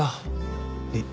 えっ？